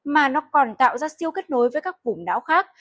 mà nó còn tạo ra siêu kết nối với các vùng não khác